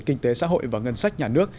kinh tế xã hội và ngân sách nhà nước